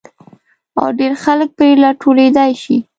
او ډېر خلک پرې را ټولېدای شي.